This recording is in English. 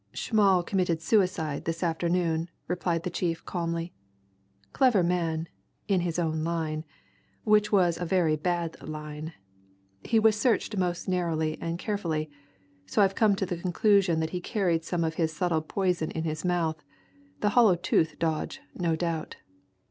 "Schmall committed suicide this afternoon," replied the chief calmly. "Clever man in his own line, which was a very bad line. He was searched most narrowly and carefully, so I've come to the conclusion that he carried some of his subtle poison in his mouth the hollow tooth dodge, no doubt.